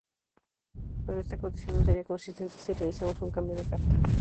Pero esta condición no sería consistente si realizamos un cambio de carta.